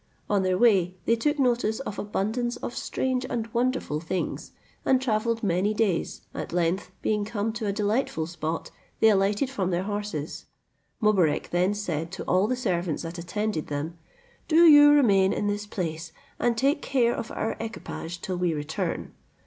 On their way they took notice of abundance of strange and wonderful things, and travelled many days, at length, being come to a delightful spot, they alighted from their horses. Mobarec then said to all the servants that attended them, "Do you remain in this place, and take care of our equipage till we return."